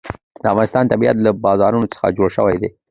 د افغانستان طبیعت له بارانونو څخه جوړ شوی دی.